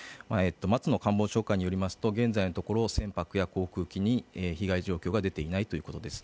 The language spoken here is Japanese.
松野官房長官によりますと現在のところ船舶や航空機に被害状況が出ていないということです。